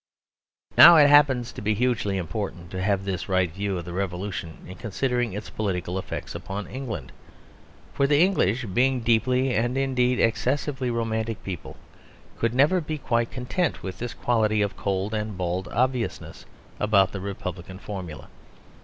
Now it happens to be hugely important to have this right view of the Revolution in considering its political effects upon England. For the English, being a deeply and indeed excessively romantic people, could never be quite content with this quality of cold and bald obviousness about the republican formula.